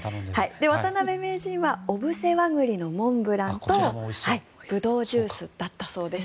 渡辺名人は小布施和栗のモンブランとブドウジュースだったそうです。